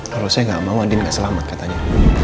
kalau saya gak mau andin gak selamat katanya